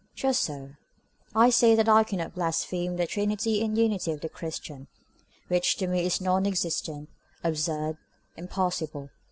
Just so, I say that I cannot blaspheme the trinity in unity of the Christian, which to me is non existent, absurd, impossible.